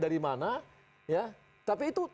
dari mana tapi itu